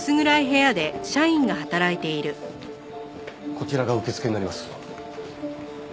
こちらが受付になります。